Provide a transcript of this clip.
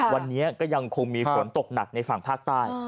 วันนี้ก็ยังคงมีฝนตกหนักในฝั่งภาคใต้